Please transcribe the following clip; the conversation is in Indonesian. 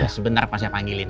sebentar pas saya panggilin